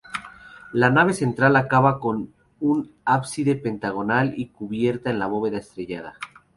La nave central acaba en un ábside pentagonal y con cubierta en bóveda estrellada.